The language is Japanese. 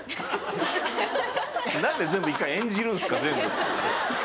何で全部１回演じるんですか。